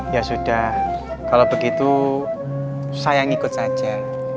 ya sudah kalau begitu saya ngikut saja